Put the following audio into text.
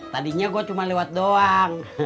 tadinya gue cuma lewat doang